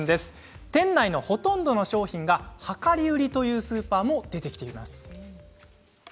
店内のほとんどの商品が量り売りというスーパーが出てきました。